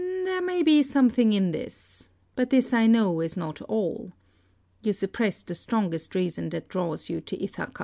Circe. There may be something in this, but this I know is not all. You suppress the strongest reason that draws you to Ithaca.